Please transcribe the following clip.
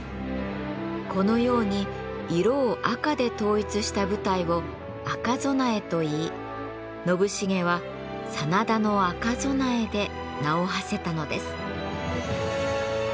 このように色を赤で統一した部隊を赤備えといい信繁は真田の赤備えで名をはせたのです。